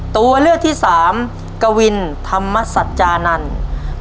ตัวเลือกที่สามกวินธรรมศัตรรย์จานันต์